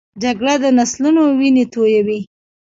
جګړه د نسلونو وینې تویوي